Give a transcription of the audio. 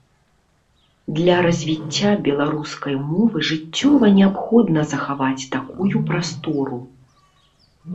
Для развіцця беларускай мовы жыццёва неабходна захаваць такую прастору.